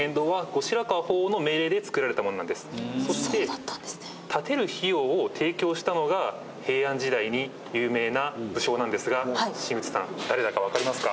そして建てる費用を提供したのが平安時代に有名な武将なんですが新内さん誰だかわかりますか？